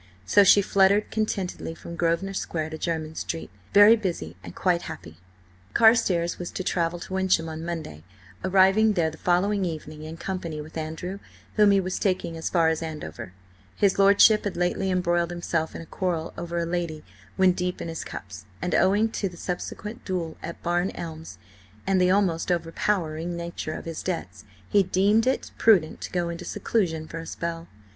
So she fluttered contentedly from Grosvenor Square to Jermyn Street, very busy and quite happy. Carstares was to travel to Wyncham on Monday, arriving there the following evening in company with Andrew, whom he was taking as far as Andover. His lordship had lately embroiled himself in a quarrel over a lady when deep in his cups, and owing to the subsequent duel at Barn Elms and the almost overpowering nature of his debts, he deemed it prudent to go into seclusion for a spell.